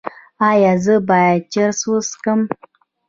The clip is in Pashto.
ایا زه باید چرس وڅکوم؟